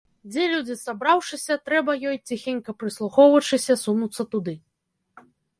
Дзе людзі сабраўшыся, трэба ёй, ціхенька прыслухоўваючыся, сунуцца туды.